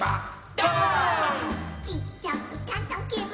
「どーーん」「ちっちゃくたたけば」